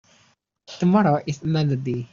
Tomorrow is another day.